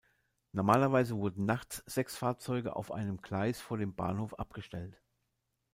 Normalerweise wurden nachts sechs Fahrzeuge auf einem Gleis vor dem Bahnhof abgestellt.